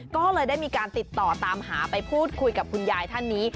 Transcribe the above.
ก็เลยได้มีการติดต่อตามหาไปพูดคุยกับคุณยายท่านนี้